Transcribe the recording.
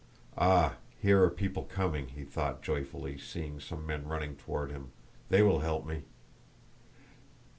"Ah, here are people coming," he thought joyfully, seeing some men running toward him. "They will help me!"